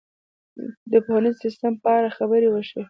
د پوهنیز سیستم په اړه خبرې وشوې.